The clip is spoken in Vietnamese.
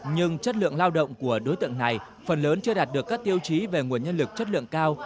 nhưng chất lượng lao động của đối tượng này phần lớn chưa đạt được các tiêu chí về nguồn nhân lực chất lượng cao